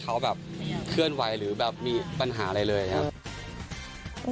เขาแบบเคลื่อนไหวหรือแบบมีปัญหาอะไรเลยครับ